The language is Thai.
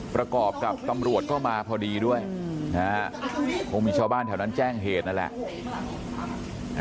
ประกอบกับตำรวจก็มาพอดีด้วยนะฮะคงมีชาวบ้านแถวนั้นแจ้งเหตุนั่นแหละ